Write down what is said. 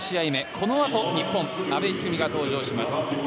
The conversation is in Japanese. このあと日本、阿部一二三が登場します。